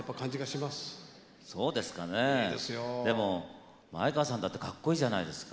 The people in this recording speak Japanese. でも前川さんだってかっこいいじゃないですか。